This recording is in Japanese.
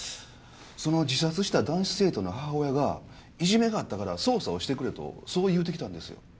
その自殺した男子生徒の母親が「いじめがあったから捜査をしてくれ」とそう言うてきたんですよ。